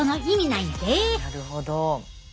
なるほど。